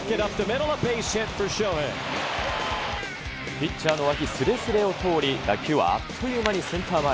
ピッチャーのわきすれすれを通り、打球はあっという間にセンター前。